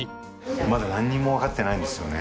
まだ何にも分かってないんですよね